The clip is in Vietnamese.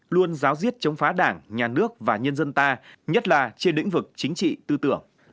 luôn giáo diết chống phá đảng nhà nước và nhân dân ta nhất là trên lĩnh vực chính trị tư tưởng